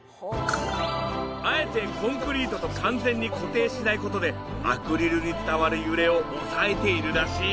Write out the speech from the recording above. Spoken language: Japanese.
あえてコンクリートと完全に固定しない事でアクリルに伝わる揺れを抑えているらしい。